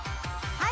はい。